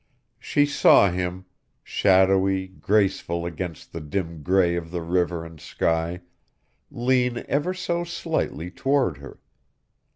She saw him shadowy, graceful against the dim gray of the river and sky lean ever so slightly toward her.